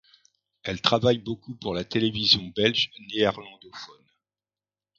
Elle travaille beaucoup pour la télévision belge néerlandophone.